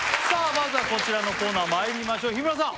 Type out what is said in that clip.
まずはこちらのコーナーまいりましょう日村さん